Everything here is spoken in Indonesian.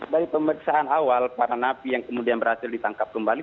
dari pemeriksaan awal para napi yang kemudian berhasil ditangkap kembali